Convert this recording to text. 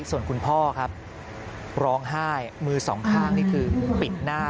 ส่วนคุณพ่อครับร้องไห้มือสองข้างนี่คือปิดหน้า